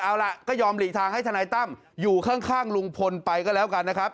เอาล่ะก็ยอมหลีกทางให้ทนายตั้มอยู่ข้างลุงพลไปก็แล้วกันนะครับ